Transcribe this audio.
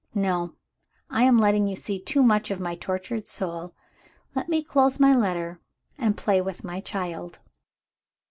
"No! I am letting you see too much of my tortured soul. Let me close my letter, and play with my child."